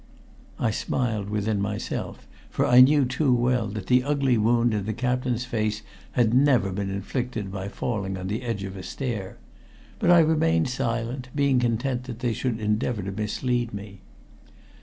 I smiled within myself, for I knew too well that the ugly wound in the captain's face had never been inflicted by falling on the edge of a stair. But I remained silent, being content that they should endeavor to mislead me.